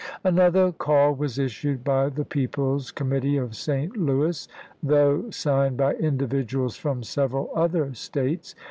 Another call was issued by the People's Com mittee of St. Louis, though signed by individuals from several other States.